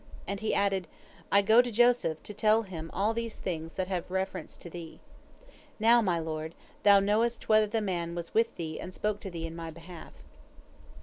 And he added, 'I go to Joseph, to tell him all these things that have reference to thee.' Now, my lord, thou knowest whether the man was with thee and spoke to thee in my behalf."